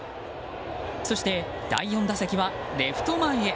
そして、第４打席はレフト前へ。